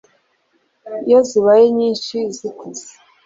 Iyo zibaye nyinshi zikuze